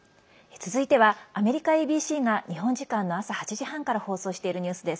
続いてはアメリカＡＢＣが日本時間の朝８時半から放送しているニュースです。